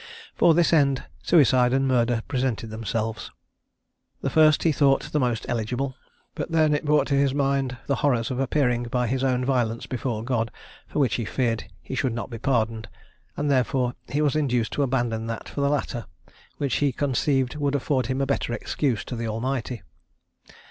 For this end suicide and murder presented themselves. The first he thought the most eligible; but then it brought to his mind the horrors of appearing by his own violence before God, for which he feared he should not be pardoned; and therefore he was induced to abandon that for the latter, which he conceived would afford him a better excuse to the Almighty.